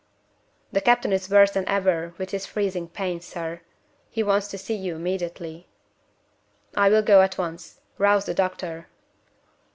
"The captain is worse than ever with his freezing pains, sir. He wants to see you immediately." "I will go at once. Rouse the doctor."